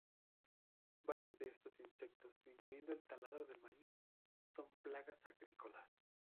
Varios de estos insectos, incluyendo el taladro del maíz, son plagas agrícolas.